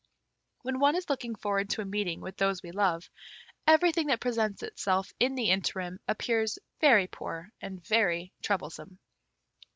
When one is looking forward to a meeting with those we love, everything that presents itself in the interim appears very poor and very troublesome.